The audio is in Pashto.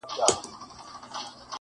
• هى افسوس چي پر تا تېر سول زر كلونه -